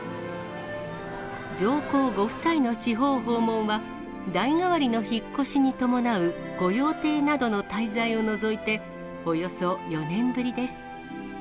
上皇ご夫妻の地方訪問は、代替わりの引っ越しに伴う御用邸などの滞在を除いて、およそ４年ぶりです。